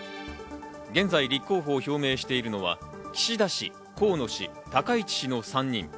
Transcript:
現在、立候補を表明しているのは、岸田氏、河野氏、高市氏の３人。